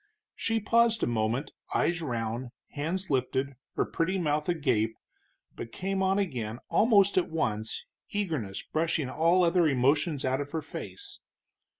She paused a moment, eyes round, hands lifted, her pretty mouth agape, but came on again almost at once, eagerness brushing all other emotions out of her face.